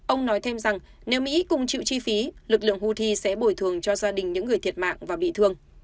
ông nói thêm rằng nếu mỹ cùng chịu chi phí lực lượng houthi sẽ bồi thường cho gia đình những người thiệt mạng và bị thương